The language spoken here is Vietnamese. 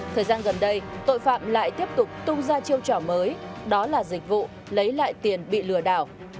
thời gian gần đây tội phạm lại tiếp tục tung ra chiêu trò mới đó là dịch vụ lấy lại tiền bị lừa đảo